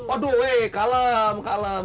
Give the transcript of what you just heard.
aduh weh kalem kalem